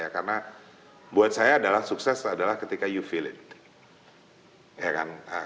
karena buat saya sukses adalah ketika anda merasakannya